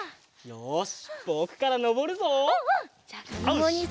よし！